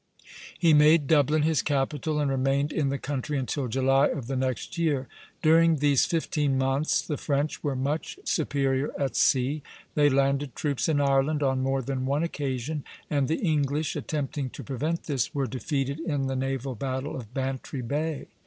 He made Dublin his capital, and remained in the country until July of the next year. During these fifteen months the French were much superior at sea; they landed troops in Ireland on more than one occasion; and the English, attempting to prevent this, were defeated in the naval battle of Bantry Bay.